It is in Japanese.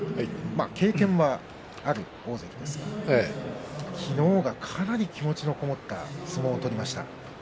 経験はある大関ですが昨日はかなり気持ちのこもった相撲を取りました。